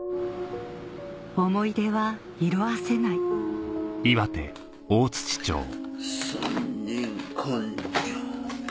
思い出は色あせない三人官女。